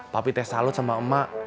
papi teh salut sama emak